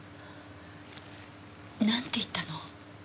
なんて言ったの？